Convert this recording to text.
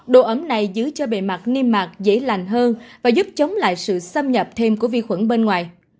độ ấm này giữ cho bề mặt niêm mạc dễ lành hơn và giúp chống lại sự xâm nhập thêm của vi khuẩn bên ngoài